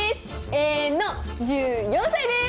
永遠の１４歳です！